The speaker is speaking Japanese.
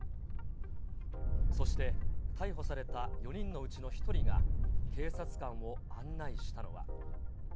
そして逮捕された４人のうちの１人が、警察官を案内したのは。